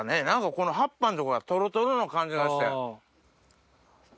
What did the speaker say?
この葉っぱの所がトロトロの感じがして。